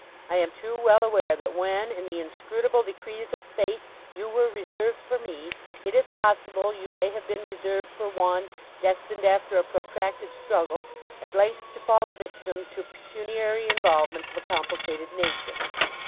I am too well aware that when, in the inscrutable decrees of Fate, you were reserved for me, it is possible you may have been reserved for one, destined, after a protracted struggle, at length to fall a victim to pecuniary involvements of a complicated nature.